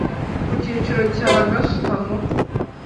Ku kicaro cya gasutamo.